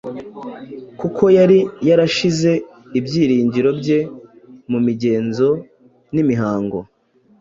kuko yari yarashyize ibyiringiro bye mu migenzo n’imihango.